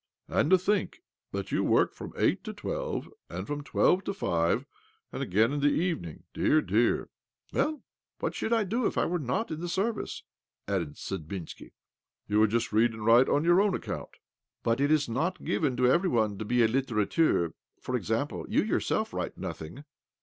" And to think that you work from eight to twelve, and from twelve to five, and again in the evening 1 Dear, dear !"" Well, what should I do if I were not in the Service?" asked Sudbinski. 32 OBLOMOV "You would just read and write on your own account." " But it is not given to every one to Ibe a litterateur. For example, you yourself write nothing."